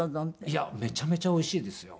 いやめちゃめちゃおいしいですよ。